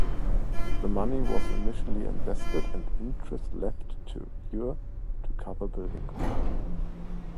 The money was initially invested and interest left to accrue to cover building costs.